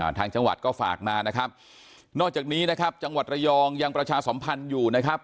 ทางจังหวัดก็ฝากมานะครับนอกจากนี้นะครับจังหวัดระยองยังประชาสมพันธ์อยู่นะครับ